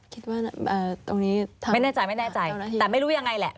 คิดว่าตรงนี้ไม่แน่ใจไม่แน่ใจแต่ไม่รู้ยังไงแหละ